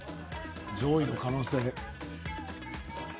上位の可能性。